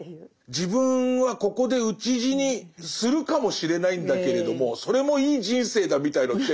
自分はここで討ち死にするかもしれないんだけれどもそれもいい人生だみたいのって